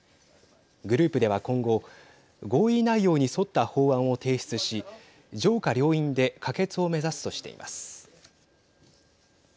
グループでは、今後合意内容に沿った法案を提出し上下両院で可決を目指すとしています。